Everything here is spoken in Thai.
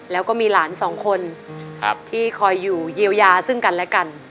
แล้วก็มีหลานสองคนที่คอยอยู่เยียวยาซึ่งกันและกัน